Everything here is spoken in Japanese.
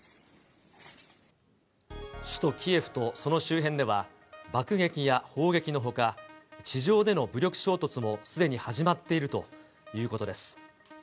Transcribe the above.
首都キエフと、その周辺では爆撃や砲撃のほか、地上での武力衝突もすでに始まっているということです。